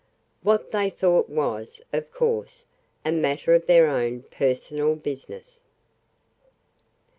What they thought was, of course, a matter of their own personal business.